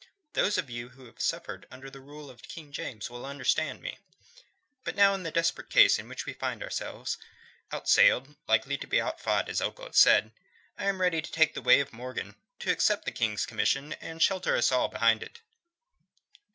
Those of you who have suffered under the rule of King James will understand me. But now in the desperate case in which we find ourselves outsailed, and likely to be outfought, as Ogle has said I am ready to take the way of Morgan: to accept the King's commission and shelter us all behind it."